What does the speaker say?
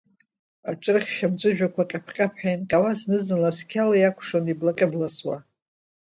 Аҿрыхьшь, амҵәыжәҩақәа ҟьаԥ-ҟьаԥҳәа еинҟьауа, зны-зынла сқьала иакәшон, иблаҟьа-бласуа.